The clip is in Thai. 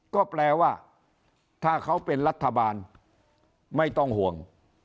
ก็แปลว่าถ้าเขาเป็นรัฐบาลไม่ต้องห่วง